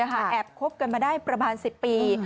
ใช่ไม่มีใครสงสัยเลยแอบคบกันมาได้ประมาณ๑๐ปี